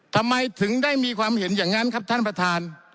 ทำไมถึงได้มีความเห็นอย่างนั้นครับท่านประธาน